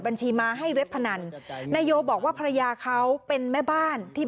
บัญชีมาให้เว็บพนันนายโยบอกว่าภรรยาเขาเป็นแม่บ้านที่